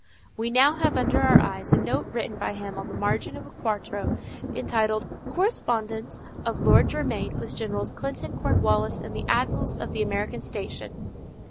We now have under our eyes a note written by him on the margin of a quarto entitled _Correspondence of Lord Germain with Generals Clinton, Cornwallis, and the Admirals on the American station.